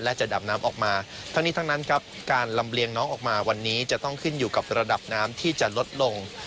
และจะดับน้ำออกมาทั้งนี้ทั้งนั้นครับการลำเลียงน้องออกมาวันนี้จะต้องขึ้นอยู่กับระดับน้ำที่จะลดลง